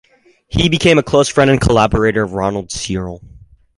He became a close friend and collaborator of Ronald Searle.